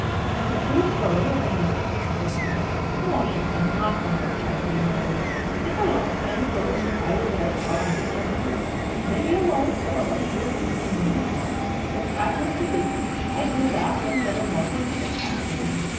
"It's a true story at any rate," said Frank. "Musha thin, not one o' us rightly knows. It's a long time ago, and if I were there at all, I disremember it. Maybe I was, though I wasn't doing anything on me own account. If Pat was to bid me, I'd do that or any other mortal thing at Pat's bidding."